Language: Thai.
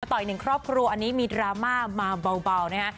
ต่ออีกหนึ่งครอบครัวอันนี้มีดราม่ามาเบานะฮะ